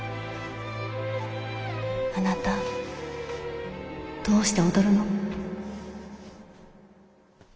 あなたどうして踊るの？